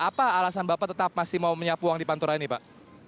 apa alasan bapak tetap masih mau menyapu uang di pantura ini pak